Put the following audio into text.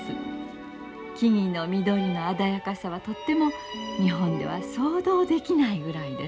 木々の緑の鮮やかさはとても日本では想像できないぐらいです」。